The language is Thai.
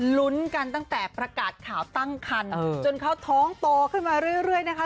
ลุ้นกันตั้งแต่ประกาศข่าวตั้งคันจนเขาท้องโตขึ้นมาเรื่อยนะคะ